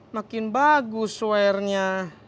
makin bagus swearnya